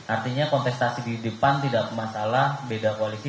artinya kontestasi di depan tidak masalah beda koalisi